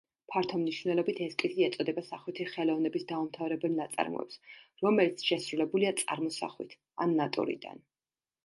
ფართო მნიშვნელობით ესკიზი ეწოდება სახვითი ხელოვნების დაუმთავრებელ ნაწარმოებს, რომელიც შესრულებულია წარმოსახვით ან ნატურიდან.